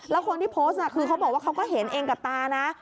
แล้วคนที่โพสต์คือเขาบอกว่าเขาก็เห็นเองกับตานะ